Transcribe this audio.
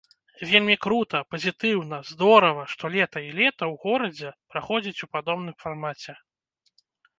Вельмі крута, пазітыўна, здорава, што лета і лета ў горадзе праходзіць у падобным фармаце.